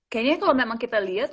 kayaknya kalau memang kita lihat